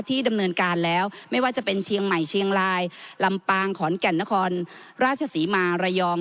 ดำเนินการแล้วไม่ว่าจะเป็นเชียงใหม่เชียงรายลำปางขอนแก่นนครราชศรีมาระยอง